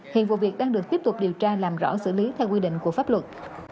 hiện vụ việc đang được tiếp tục điều tra làm rõ xử lý theo quy định của pháp luật